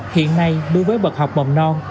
hiện nay đối với bậc học mầm non